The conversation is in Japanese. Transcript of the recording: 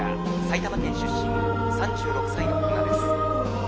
埼玉県出身３６歳の女です。